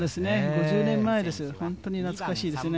５０年前です、本当に懐かしいですね。